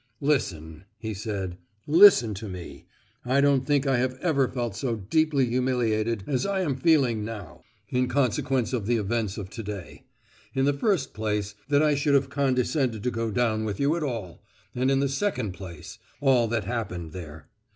"Listen," he said, "listen to me. I don't think I have ever felt so deeply humiliated as I am feeling now, in consequence of the events of to day. In the first place, that I should have condescended to go down with you at all, and in the second place, all that happened there.